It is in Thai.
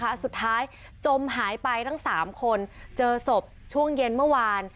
สุดท้ายจมหายไปทั้งสามคนเจอศพช่วงเย็นเมื่อวาน